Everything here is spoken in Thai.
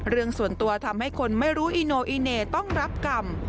เรื่องส่วนตัวทำให้คนไม่รู้อีโนอีเน่ต้องรับกรรม